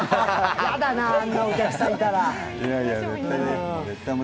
あんなお客さんいたら。